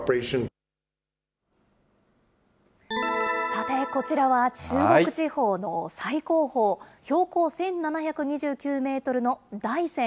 さてこちらは、中国地方の最高峰、標高１７２９メートルの大山。